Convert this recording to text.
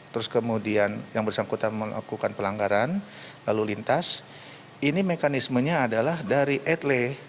terus kemudian yang bersangkutan melakukan pelanggaran lalu lintas ini mekanismenya adalah dari etle